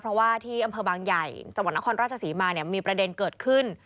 เพราะว่าที่อำเภอบางใหญ่จังหวัดนครราชศรีมาเนี่ยมีประเด็นเกิดขึ้น